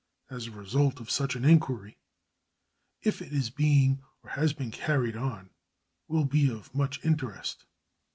And the result of such an inquiry, if it is being or has been carried on, will be of much interest.